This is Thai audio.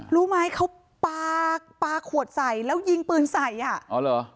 รู้ไหมเขาปลาปลาขวดใส่แล้วยิงปืนใส่อ่ะอ๋อเหรอ